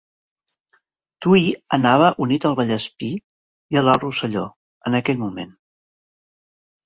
Tuïr anava unit al Vallespir i a l'Alt Rosselló, en aquell moment.